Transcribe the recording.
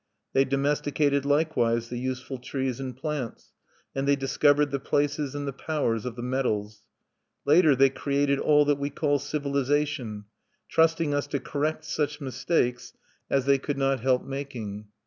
'_(1)" They domesticated likewise the useful trees and plants; and they discovered the places and the powers of the metals. Later they created all that we call civilization, trusting us to correct such mistakes as they could not help making.